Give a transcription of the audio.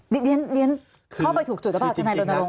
เรียนเข้าไปถูกจุดหรือเปล่าทนายรณรงค